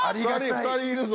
２人いるぞ？